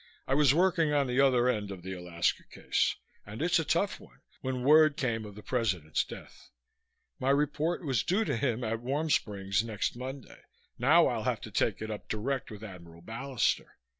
"I was working on the other end of the Alaska case and it's a tough one when word came of the President's death. My report was due to him at Warm Springs next Monday. Now I'll have to take it up direct with Admiral Ballister.